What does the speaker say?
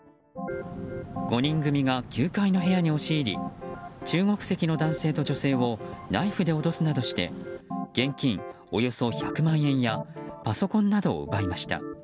５人組が９階の部屋に押し入り中国籍の男性と女性をナイフで脅すなどして現金およそ１００万円やパソコンなどを奪いました。